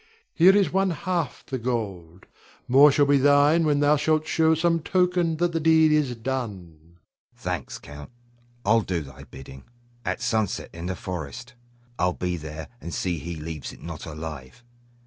Here is one half the gold; more shall be thine when thou shalt show some token that the deed is done. Hugo. Thanks, Count; I'll do thy bidding. At sunset in the forest, I'll be there, and see he leaves it not alive.